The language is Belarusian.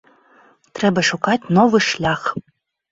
Трэба шукаць новы шлях.